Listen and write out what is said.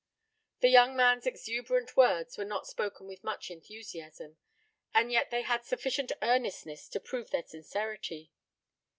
The young man's exuberant words were not spoken with much enthusiasm, and yet they had sufficient earnestness to prove their sincerity.